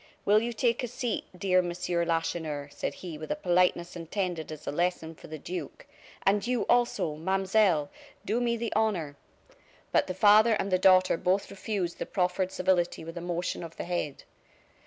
"Will you take a seat, dear Monsieur Lacheneur?" said he, with a politeness intended as a lesson for the duke; "and you, also, Mademoiselle, do me the honor " But the father and the daughter both refused the proffered civility with a motion of the head.